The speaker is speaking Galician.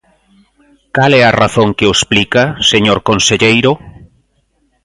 ¿Cal é a razón que o explica, señor conselleiro?